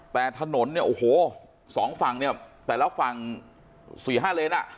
ดูถนนนี้๒ฝั่งเนี่ยแต่รัฐฝั่ง๔๕เลียนอ่ะ